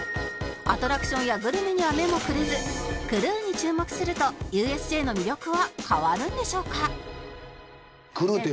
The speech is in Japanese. アトラクションやグルメには目もくれずクルーに注目すると ＵＳＪ の魅力は変わるんでしょうか？